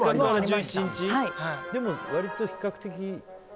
でも、割と比較的。